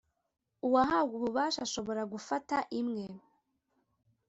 uwahawe ububasha ashobora gufata imwe